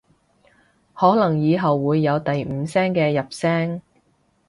可能以後會有第五聲嘅入聲